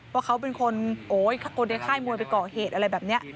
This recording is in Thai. ว่าเขาเป็นคนในค่ายมวยไปก่อเหตุอะไรแบบนี้